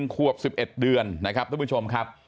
ขวบ๑๑เดือนนะครับทุกผู้ชมครับ